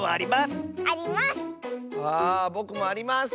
あぼくもあります！